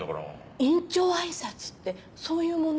院長挨拶ってそういうものなの？